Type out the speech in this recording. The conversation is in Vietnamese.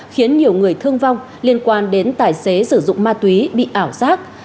khiến nhiều người thương vong liên quan đến tài xế sử dụng ma túy bị ảo giác